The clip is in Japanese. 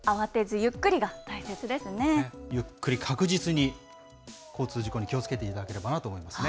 ゆっくり確実に、交通事故に気をつけていただければなと思いますね。